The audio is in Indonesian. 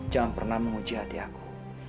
jangan pernah menguji hati aku